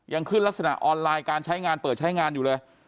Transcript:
ขึ้นลักษณะออนไลน์การใช้งานเปิดใช้งานอยู่เลย